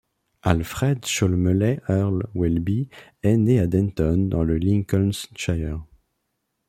Alfred Cholmeley Earle Welby est né à Denton dans le Lincolnshire.